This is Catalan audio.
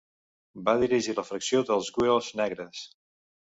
Va dirigir la facció dels Güelfs Negres.